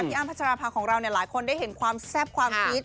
พี่อามภาษชาภาของเราหลายคนได้เห็นความแทบความคิด